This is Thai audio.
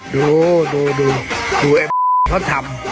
ดูดูแอมเขาทำ